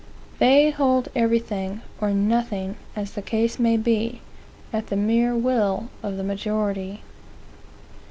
They hold everything, or nothing, as the case may be, at the mere will of the majority.